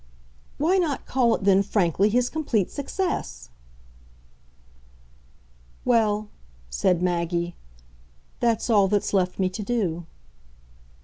"Why not call it then frankly his complete success?" "Well," said Maggie, "that's all that's left me to do."